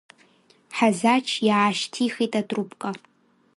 Ҳазач иаашьҭихит атрубка.